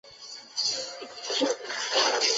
担任临沭县农业局农经中心副主任。